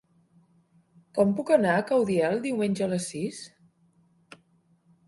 Com puc anar a Caudiel diumenge a les sis?